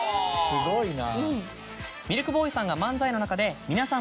すごいな。